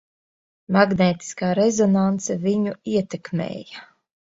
Magnētiskā rezonanse viņu ietekmēja.